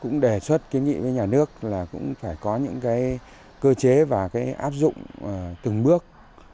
cũng đề xuất cái nghĩa với nhà nước là cũng phải có những cái cơ chế và cái áp dụng từng bước